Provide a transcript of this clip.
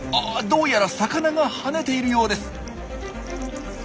どうやら魚が跳ねているようです。